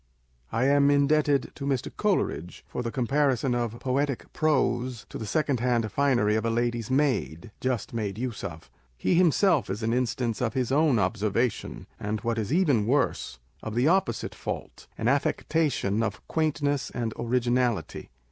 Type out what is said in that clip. I am indebted to Mr. Coleridge for the comparison of poetic prose to the secondhand finery of a lady's maid (just made use of). He himself is an instance of his own observation, and (what is even worse) of the opposite fault â€" an affectation of quaintness and originality.